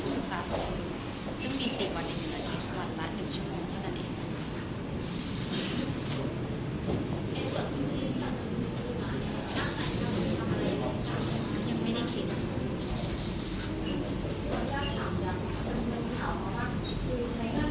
คือคลาสซึ่งมีสี่วันหนึ่งในกรณีหวันละหนึ่งชั่วโมงก็จะได้